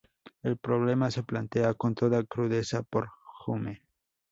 El problema se plantea con toda crudeza por Hume.